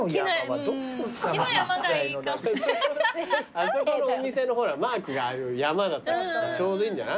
あそこのお店のほらマークがああいう山だったからちょうどいいんじゃない？